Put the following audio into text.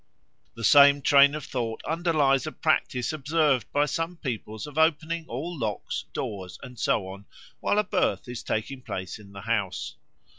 The same train of thought underlies a practice observed by some peoples of opening all locks, doors, and so on, while a birth is taking place in the house.